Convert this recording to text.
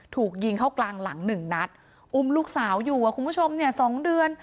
ถูกยิงเข้ากลางหลังหนึ่งนัดอุ้มลูกสาวอยู่อ่ะคุณผู้ชมเนี่ยสองเดือน